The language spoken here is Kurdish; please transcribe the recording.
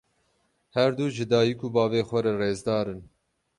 Her du ji dayîk û bavê xwe re rêzdar in.